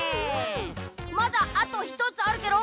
まだあと１つあるケロ。